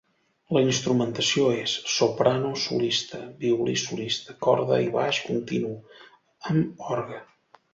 La instrumentació és: soprano solista, violí solista, corda i baix continu, amb orgue.